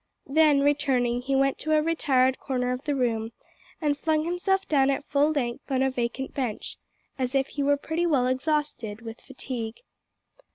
Then, returning, he went to a retired corner of the room, and flung himself down at full length on a vacant bench, as if he were pretty well exhausted with fatigue.